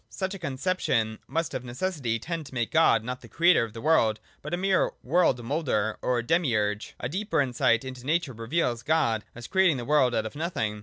Such a conception must of necessity tend to make God not the Creator of the world, but a mere world moulder or demiurge. A deeper insight into nature reveals God as creating the world out of nothing.